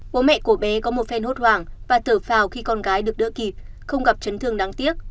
bố mẹ của bé có một phen hốt hoảng và tử phào khi con gái được đỡ kịp không gặp chấn thương đáng tiếc